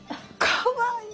かわいい！